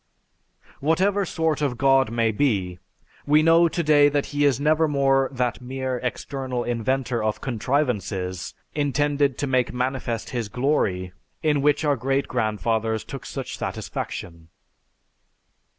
Whatever sort of God may be, we know today that he is nevermore that mere external inventor of 'contrivances' intended to make manifest his 'glory' in which our great grandfathers took such satisfaction."